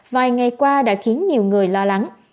vài ngày qua đã khiến nhiều người lo lắng